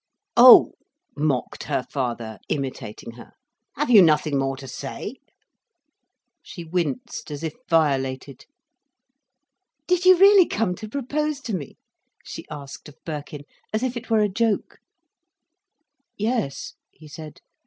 "Oh," mocked her father, imitating her. "Have you nothing more to say?" She winced as if violated. "Did you really come to propose to me?" she asked of Birkin, as if it were a joke. "Yes," he said.